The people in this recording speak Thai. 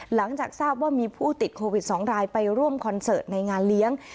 หลังจากทราบว่ามีผู้ติดโควิด๒รายไปร่วมคอนเสิร์ตในงานเลี้ยง